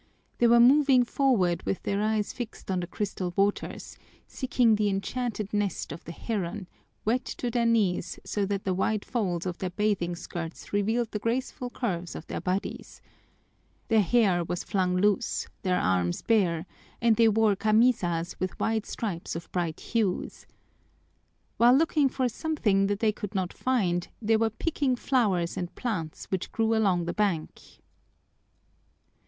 They were moving forward with their eyes fixed on the crystal waters, seeking the enchanted nest of the heron, wet to their knees so that the wide folds of their bathing skirts revealed the graceful curves of their bodies. Their hair was flung loose, their arms bare, and they wore camisas with wide stripes of bright hues. While looking for something that they could not find they were picking flowers and plants which grew along the bank.